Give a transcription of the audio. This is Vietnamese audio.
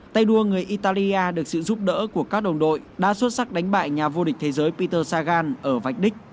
tay đua người italia được sự giúp đỡ của các đồng đội đã xuất sắc đánh bại nhà vô địch thế giới peter sagan ở vách đích